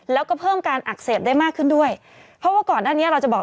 แล้วก็เพิ่มการอักเสบได้มากขึ้นด้วยเพราะว่าก่อนหน้านี้เราจะบอก